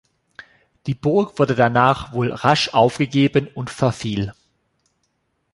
Die Burg wurde danach wohl rasch aufgegeben und verfiel.